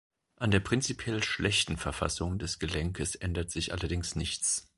An der prinzipiell schlechten Verfassung des Gelenkes ändert sich allerdings nichts.